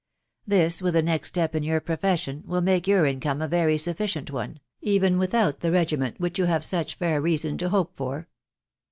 ... This, with the next step in your profession, will make your jayrmr a very, sufficient one, even without the regiment wbich^rou have such fair cea~ von to hope for."